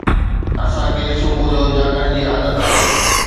اسان کي صبح جو جاڳڻ جي عادت آهي.